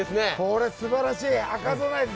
これすばらしい。